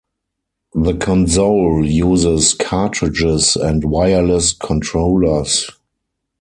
The console uses cartridges and wireless controllers.